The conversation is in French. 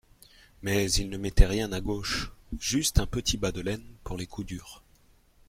mais il ne mettait rien à gauche, juste un petit bas de laine pour les coups durs.